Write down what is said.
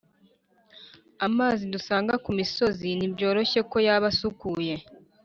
amazi dusanga ku misozi, ntibyoroshye ko yaba asukuye